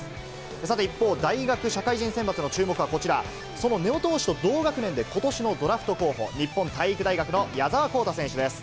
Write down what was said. さて、一方、大学社会人選抜の注目はこちら、その根尾投手と同学年で、ことしのドラフト候補、日本体育大学の矢澤宏太選手です。